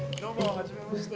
はじめまして。